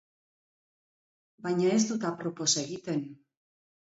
Baina ez dut apropos egiten.